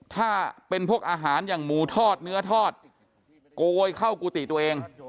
ถ้าเป็นพวกอาหารอย่างหมูทอดเนื้อทอดโกยเข้ากุฏิตัวเอง